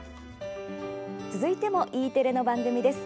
続いても、Ｅテレの番組です。